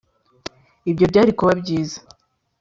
ibyo byari kuba byiza.